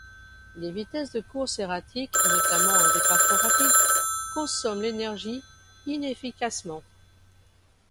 Des vitesses de course erratiques, notamment un départ trop rapide, consomment l'énergie inefficacement.